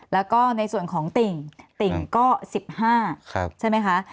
แล้วก็ในส่วนของติ่งติ่งก็๑๕ใช่ไหมคะ